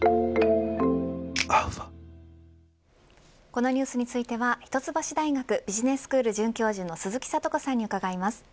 このニュースについては一橋大学ビジネススクール准教授の鈴木智子さんに伺います。